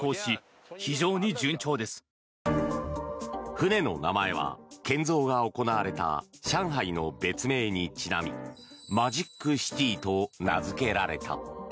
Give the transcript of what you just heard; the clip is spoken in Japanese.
船の名前は、建造が行われた上海の別名にちなみ「マジック・シティ」と名付けられた。